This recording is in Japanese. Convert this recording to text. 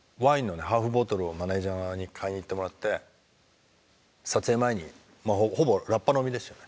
ハーフボトルをマネージャーに買いに行ってもらって撮影前にまあほぼらっぱ飲みですよね。